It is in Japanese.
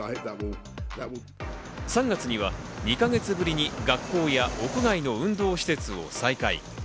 ３月には２か月ぶりに学校や屋外の運動施設を再開。